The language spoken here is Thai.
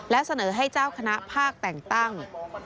และเสนอให้เจ้าคณะภาคแต่งตั้ง